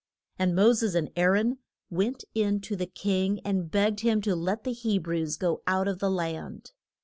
And Mo ses and Aa ron went in to the king and begged him to let the He brews go out of the land.